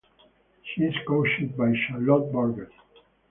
She is coached by Charlotte Burgess.